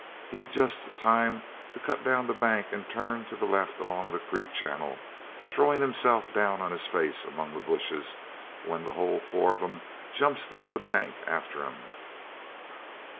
He'd just time to cut down the bank and turn to the left along the creek channel, throwing himself down on his face among the bushes, when the whole four of 'em jumps down the bank after him.